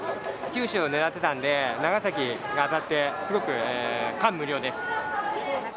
九州を狙ってたんで、長崎が当たって、すごく感無量です。